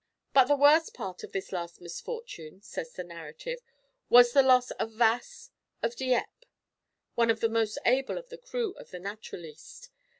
"But the worst part of this last misfortune," says the narrative, "was the loss of Vasse, of Dieppe, one of the most able of the crew of the Naturaliste.